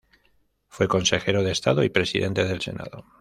Fue consejero de Estado y presidente del Senado.